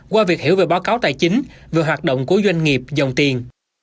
qua việc hiểu về báo cáo tài chính về hoạt động của doanh nghiệp dòng tiền